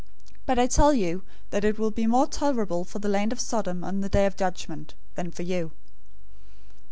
011:024 But I tell you that it will be more tolerable for the land of Sodom, on the day of judgment, than for you."